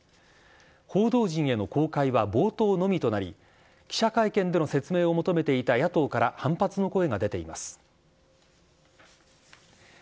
報道陣への公開は冒頭のみとなり、記者会見での説明を求めていた野党から反発の声が出ています。